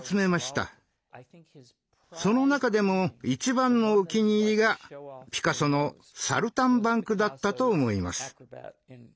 その中でも一番のお気に入りがピカソの「サルタンバンク」だったと思います。